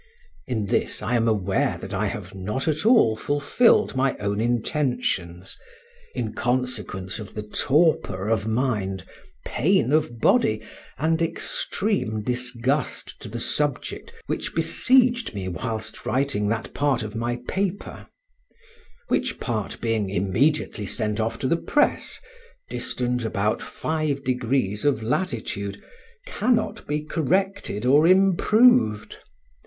In this I am aware that I have not at all fulfilled my own intentions, in consequence of the torpor of mind, pain of body, and extreme disgust to the subject which besieged me whilst writing that part of my paper; which part being immediately sent off to the press (distant about five degrees of latitude), cannot be corrected or improved.